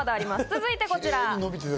続いてこちら。